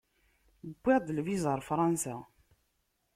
Wwiɣ-d lviza ar Fransa.